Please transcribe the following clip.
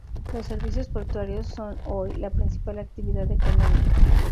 Los servicios portuarios son hoy la principal actividad económica.